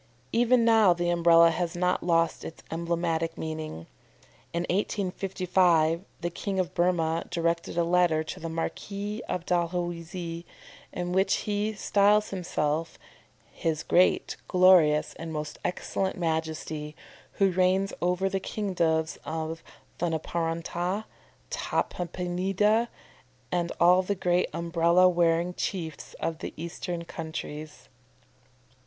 Even now the Umbrella has not lost its emblematic meaning. In 1855 the King of Burmah directed a letter to the Marquis of Dalhousie in which he styles himself "His great, glorious, and most excellent Majesty, who reigns over the kingdoms of Thunaparanta, Tampadipa, and all the great Umbrella wearing chiefs of the Eastern countries," &c.